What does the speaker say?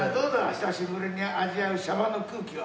久しぶりに味わうシャバの空気は。